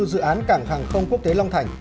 dự án cảng hàng không quốc tế long thành